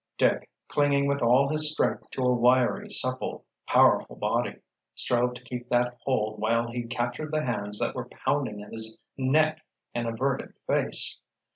Dick, clinging with all his strength to a wiry, supple powerful body, strove to keep that hold while he captured the hands that were pounding at his neck and averted face.